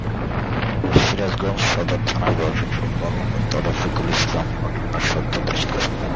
সিরাজগঞ্জ সদর থানার ভারপ্রাপ্ত কর্মকর্তা রফিকুল ইসলাম ঘটনার সত্যতা নিশ্চিত করেছেন।